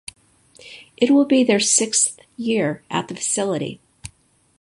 It will be their sixth year at the facility.